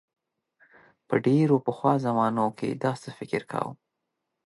په ډیرو پخوا زمانو کې داسې فکر کاؤ.